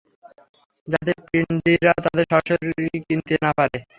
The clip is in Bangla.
যাতে পীন্ডিরা তাদের সরাসরি কিনতে না পারে।